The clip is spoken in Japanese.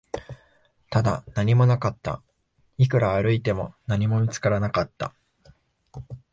ただ、何もなかった、いくら歩いても、何も見つからなかった